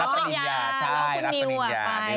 พี่ม้าที่สนาทนะฮะก็รับปริญญา